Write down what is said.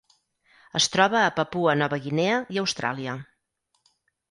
Es troba a Papua Nova Guinea i Austràlia.